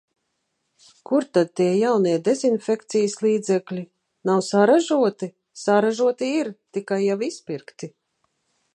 Kur tad tie jaunie dezinfekcijas līdzekļi? Nav saražoti?- Saražoti ir! Tikai jau izpirkti.-...